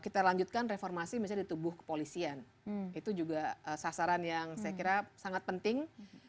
kita lanjutkan reformasi misalnya di tubuh kepolisian itu juga sasaran yang saya kira sangat penting